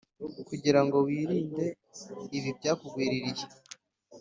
kugira ngo wirinde ibi byakugwiririye,